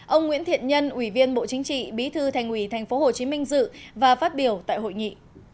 ông nguyễn thiện nhân ủy viên bộ chính trị bí thư thành ủy tp hcm dự và phát biểu tại hội nghị